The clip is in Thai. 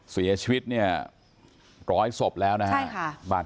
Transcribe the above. เสียชีวิตเนี่ยร้อยศพแล้วนะฮะ